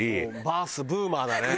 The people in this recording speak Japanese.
バースブーマーだね。